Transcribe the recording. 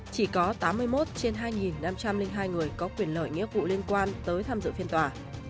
chỉ có tám mươi một trên hai năm trăm linh hai người có quyền lợi nghĩa vụ liên quan tới tham dự phiên tòa